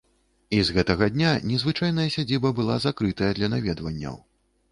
І з гэтага дня незвычайная сядзіба была закрытая для наведванняў.